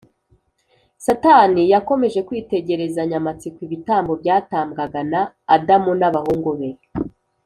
. Satani yakomeje kwitegerezanya amatsiko ibitambo byatambwaga na Adamu n’abahungu be